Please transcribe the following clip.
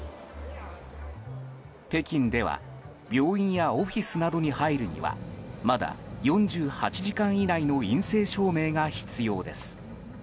北京では病院やオフィスなどに入るにはまだ４８時間以内の陰性証明が必要です。